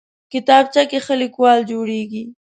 کتابچه کې ښه لیکوال جوړېږي